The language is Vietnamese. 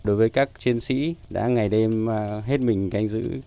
đối với các chiến sĩ đã ngày đêm hết mình canh giữ